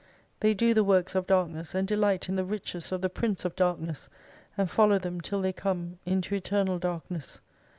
They do the works of darkness, and delight in the riches of the Prince of Darkness, and follow them till they come into Eternal Darkness.